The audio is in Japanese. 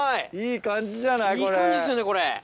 いい感じですよねこれ。